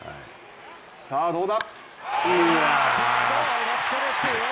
さあどうだ。